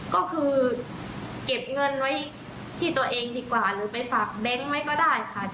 ก็คือเก็บเงินไว้ที่ตัวเองดีกว่าหรือไปฝากแบงค์ไว้ก็ได้ค่ะ